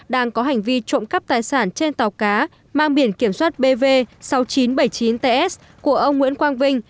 đang có hành vi trộm cắp tài sản trên tàu cá mang biển kiểm soát bv sáu nghìn chín trăm bảy mươi chín ts của ông nguyễn quang vinh